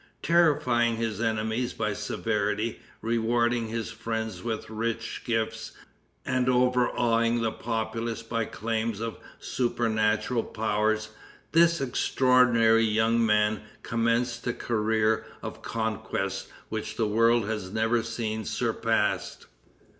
Terrifying his enemies by severity, rewarding his friends with rich gifts, and overawing the populace by claims of supernatural powers, this extraordinary young man commenced a career of conquest which the world has never seen surpassed.